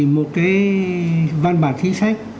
một cái văn bản thí sách